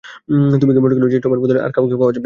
তুমি কি মনে করো যে টমের বদলে আর কাউকে পাওয়া যাবে?